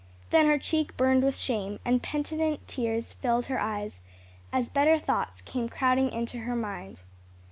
Then her cheek burned with shame, and penitent tears filled her eyes, as better thoughts came crowding into her mind.